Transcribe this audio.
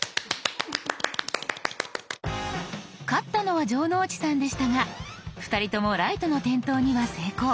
勝ったのは城之内さんでしたが２人ともライトの点灯には成功。